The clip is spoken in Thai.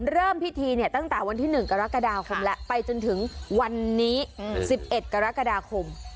เริ่มพิธีตั้งแต่วันที่๑กรกฎาคมแล้วไปจนถึงวันนี้๑๑กรกฎาคม